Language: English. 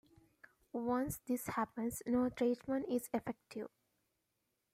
Once this happens, no treatment is effective.